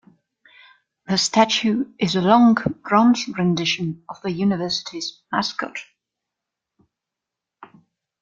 The statue is a long, bronze rendition of the University's mascot.